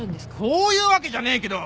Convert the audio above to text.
そういうわけじゃねえけど。